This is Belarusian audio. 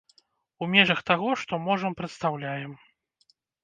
У межах таго, што можам прадастаўляем.